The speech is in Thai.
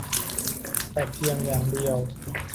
แต่เพียงอย่างเดียว